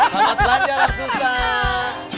selamat belanja orang susah